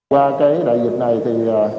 qua cái đại dịch này thì